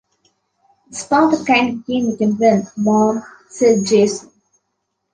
"It's not the kind of game you can win, Mom" said Jason